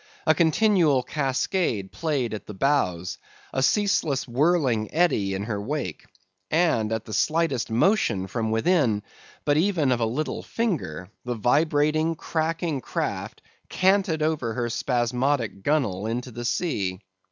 A continual cascade played at the bows; a ceaseless whirling eddy in her wake; and, at the slightest motion from within, even but of a little finger, the vibrating, cracking craft canted over her spasmodic gunwale into the sea.